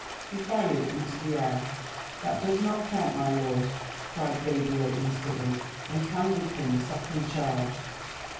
He fired into the air. "That does not count, my lord," cried Gabriel instantly, and handed him a second charge.